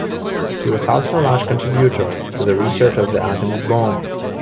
He was also a large contributor to the research of the atomic bomb.